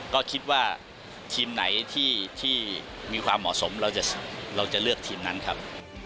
ก็คิดว่าทีมไหนที่มีความเหมาะสมเราจะเลือกทีมนั้นครับ